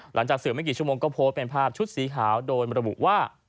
หลังจากสื่อไม่กี่ชั่วโมงก็โพสต์เป็นภาพชุดสีขาวโดยระบุว่า